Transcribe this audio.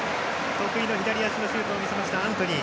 得意の左足のシュートを見せたアントニー。